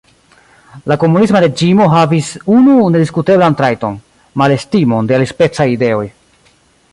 La komunisma reĝimo havis unu nediskuteblan trajton: malestimon de alispecaj ideoj.